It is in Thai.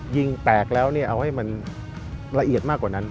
ยิงแตกแล้วเอาให้มันละเอียดมากกว่านั้น